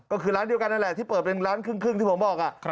ก็คือร้านเดียวกันนั่นแหละที่เปิดเป็นร้านครึ่งที่ผมบอก